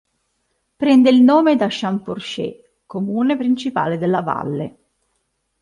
Prende il nome da Champorcher, comune principale della valle.